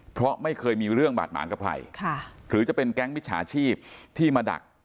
เพราะไม่เคยมีเรื่องบาดหมางกับใครหรือจะเป็นแก๊งมิจฉาชีพที่มาดัก